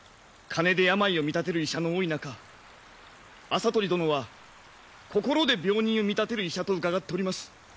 金で病を見立てる医者の多い中麻鳥殿は心で病人を見立てる医者と伺っております。